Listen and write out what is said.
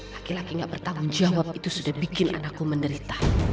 laki laki gak bertanggung jawab itu sudah bikin anakku menderita